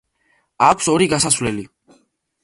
აქვს ორი გასასვლელი.